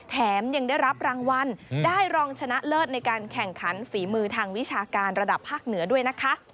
แถมยังได้รับรางวัลได้รองชนะเลิศในการแข่งขันฝีมือทางวิชาการระดับภาคเหนือด้วยนะคะ